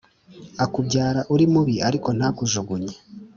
akubyara uri mubi ariko ntakujugunye